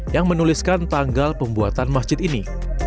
yang menuliskan tanggal pembuatan masjid ini